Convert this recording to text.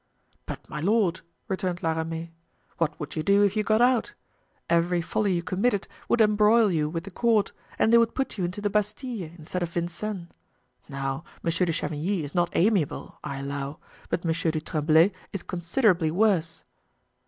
"But, my lord," returned La Ramee, "what would you do if you got out? Every folly you committed would embroil you with the court and they would put you into the Bastile, instead of Vincennes. Now, Monsieur de Chavigny is not amiable, I allow, but Monsieur du Tremblay is considerably worse."